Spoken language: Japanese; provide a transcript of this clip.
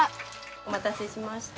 お待たせしました。